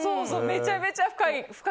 めちゃめちゃ深い。